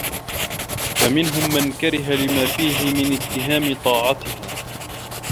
فَمِنْهُمْ مَنْ كَرِهَهُ لِمَا فِيهِ مِنْ اتِّهَامِ طَاعَتِهَا